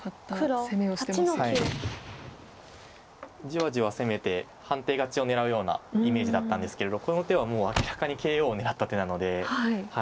じわじわ攻めて判定勝ちを狙うようなイメージだったんですけれどこの手はもう明らかにＫＯを狙った手なので。